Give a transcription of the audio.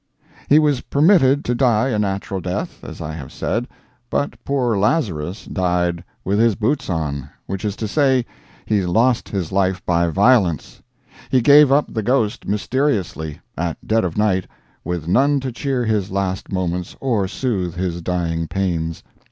He was permited to die a natural death, as I have said, but poor Lazarus 'died with his boots on'—which is to say, he lost his life by violence; he gave up the ghost mysteriously, at dead of night, with none to cheer his last moments or soothe his dying pains.